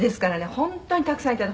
本当にたくさんいただいた」